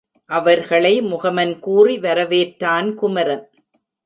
அவர்களை முகமன் கூறி வரவேற்றான் குமரன்.